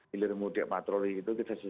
pilih remunia patroli itu kita